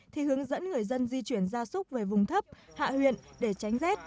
thì hướng dẫn người dân di chuyển gia súc về vùng thấp hạ huyện để tránh rét